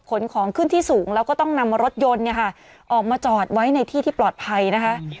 ของขึ้นที่สูงแล้วก็ต้องนำรถยนต์เนี่ยค่ะออกมาจอดไว้ในที่ที่ปลอดภัยนะคะ